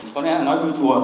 có lẽ là nói vui thùa